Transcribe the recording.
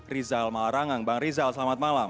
rizal malarangang bang rizal selamat malam